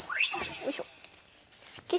よいしょ。